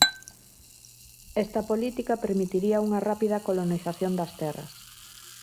Esta política permitiría unha rápida colonización das terras.